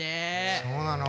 そうなの。